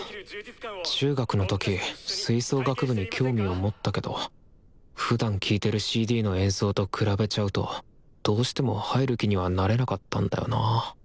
中学の時吹奏楽部に興味を持ったけどふだん聴いてるＣＤの演奏と比べちゃうとどうしても入る気にはなれなかったんだよなぁ。